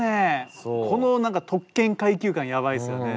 この何か特権階級感やばいっすよね。